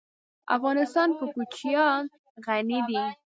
افغانستان په کوچیان غني دی.